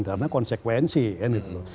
karena konsekuensi ya gitu loh